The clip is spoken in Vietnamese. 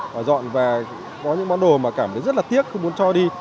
và dọn và có những món đồ mà cảm thấy rất là tiếc không muốn cho đi